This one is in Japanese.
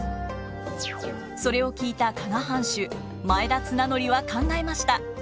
それを聞いた加賀藩主前田綱紀は考えました。